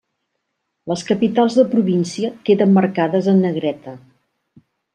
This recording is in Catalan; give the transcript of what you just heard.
Les capitals de província queden marcades en negreta.